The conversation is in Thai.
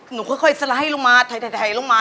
หนูค่อยสไลด์ลงมาถ่ายลงมา